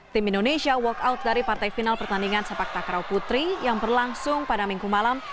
tim indonesia walk out dari partai final pertandingan sepak takraw putri yang berlangsung pada minggu malam